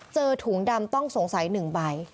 ถุงดำต้องสงสัย๑ใบ